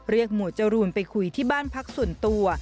หมวดจรูนไปคุยที่บ้านพักส่วนตัว